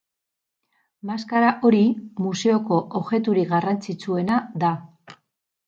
Maskara hori museoko objekturik garrantzitsuena da.